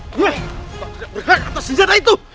berhenti atas senjata itu